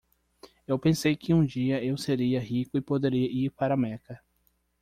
Eu pensei que um dia eu seria rico e poderia ir para Meca.